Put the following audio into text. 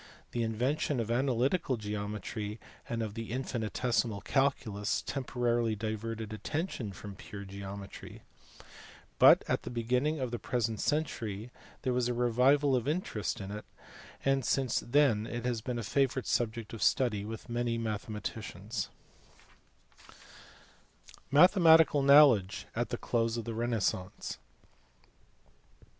The invention of analytical geometry and of the infinitesimal calculus temporarily diverted attention from pure geometry, but at the beginning of the present century there was a revival of interest in it, and since then it has been a favourite subject of study with many mathematicians. THE CLOSE 0V THE RENAISSANCE. 261 Mathematical knowledge at the close of the renaissance.